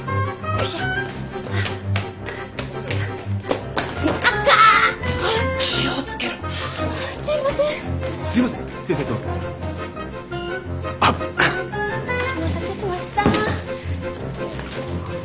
お待たせしました。